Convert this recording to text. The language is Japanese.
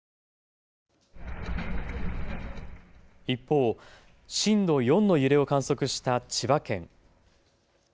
一方、震度４の揺れを観測した千葉県。